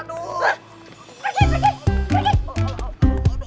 pergi pergi pergi